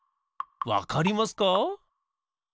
わかりますか？